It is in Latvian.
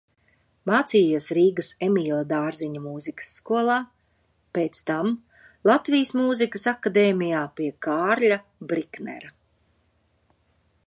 Mācījies Rīgas Emīla Dārziņa Mūzikas skolā, pēc tam Latvijas Mūzikas akadēmijā pie Kārļa Briknera.